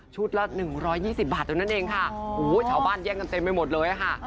ละ๑๒๐บาทเท่านั้นเองค่ะโอ้ยชาวบ้านแย่งกันเต็มไปหมดเลยค่ะ